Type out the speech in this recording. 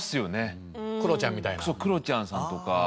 そうクロちゃんさんとか。